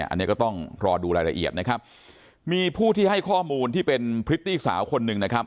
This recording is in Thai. อันนี้ก็ต้องรอดูรายละเอียดนะครับมีผู้ที่ให้ข้อมูลที่เป็นพริตตี้สาวคนหนึ่งนะครับ